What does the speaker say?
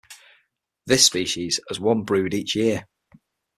This species has one brood each year.